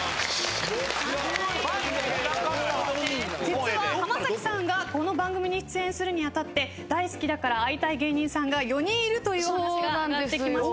実は浜崎さんがこの番組に出演するに当たって大好きだから会いたい芸人さんが４人いるというお話が。